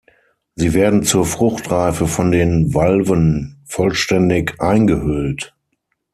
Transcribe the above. Sie werden zur Fruchtreife von den Valven vollständig eingehüllt.